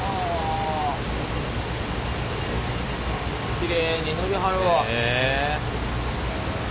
きれいに塗りはるわ。